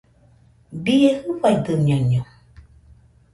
¡Bie jɨfaidɨñaino!